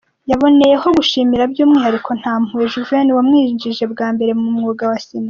Yaboneyeho gushimira by’umwihariko Ntampuhwe Juven wamwinjije bwa mbere mu mwuga wa cinema.